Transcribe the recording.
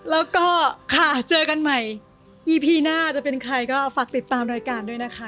แล้วก็ค่ะเจอกันใหม่อีพีหน้าจะเป็นใครก็ฝากติดตามรายการด้วยนะคะ